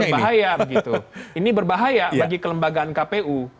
berbahaya begitu ini berbahaya bagi kelembagaan kpu